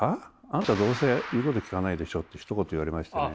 あなたどうせ言うこと聞かないでしょ！」ってひと言言われましてね。